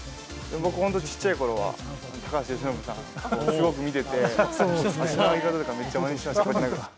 僕本当、ちっちゃいころは高橋由伸さんをすごく見てて、足の上げ方とかめっちゃ練習してました。